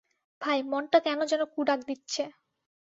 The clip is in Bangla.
ভাই, মনটা কেন যেনো কু ডাক দিচ্ছে।